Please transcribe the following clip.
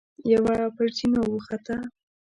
يوه پر زينو وخته.